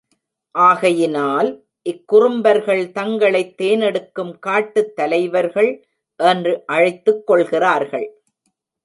ஆகையினால் இக்குறும்பர்கள் தங்களைத் தேனெடுக்கும் காட்டுத் தலைவர்கள் என்று அழைத்துக் கொள்கிறார்கள்.